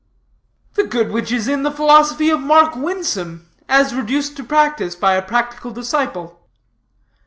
"The good which is in the philosophy of Mark Winsome, as reduced to practice by a practical disciple."